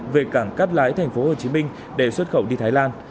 về cảng cắt lái tp hồ chí minh để xuất khẩu đi thái lan